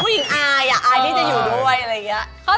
ผู้หญิงอายอะอายที่จะอยู่ด้วยอะไรอย่างเงี้ย